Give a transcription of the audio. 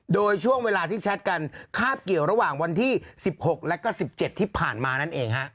โดยช่วงเวลาที่แชทกันคาบเกี่ยวระหว่างวันที่๑๖และก็๑๗ที่ผ่านมานั่นเองฮะ